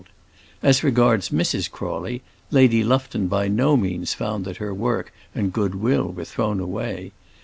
And as regards Mrs. Crawley, Lady Lufton by no means found that her work and good will were thrown away.